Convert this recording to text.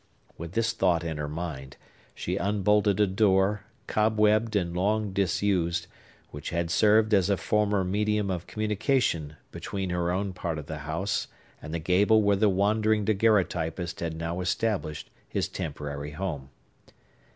With this thought in her mind, she unbolted a door, cobwebbed and long disused, but which had served as a former medium of communication between her own part of the house and the gable where the wandering daguerreotypist had now established his temporary home.